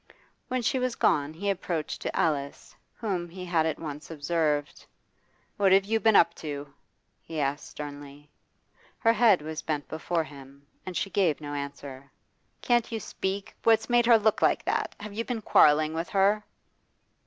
When she was gone he approached to Alice, whom he had at once observed: 'What have you been up to?' he asked sternly. Her head was bent before him, and she gave no answer. 'Can't you speak? What's made her look like that? Have you been quarrelling with her?